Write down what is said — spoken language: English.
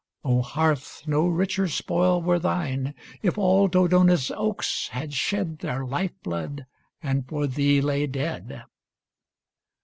O hearth, no richer spoil were thine If all Dodona's oaks had shed Their life blood and for thee lay dead